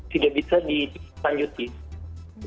tidak bisa dipinjakan